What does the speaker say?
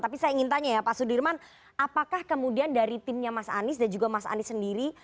tapi saya ingin tanya ya pak sudirman apakah kemudian dari timnya mas anies dan juga mas anies sendiri